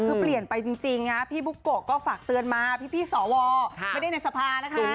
คือเปลี่ยนไปจริงนะพี่บุ๊กโกะก็ฝากเตือนมาพี่สวไม่ได้ในสภานะคะ